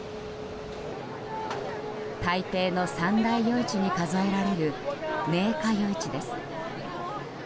台北の三大夜市に数えられる寧夏夜市です。